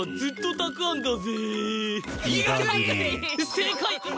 正解！